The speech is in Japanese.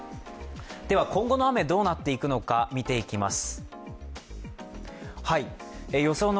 今後の雨、どうなっていくのか見ていきます。